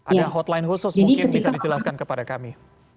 ada hotline khusus mungkin bisa dijelaskan kepada kami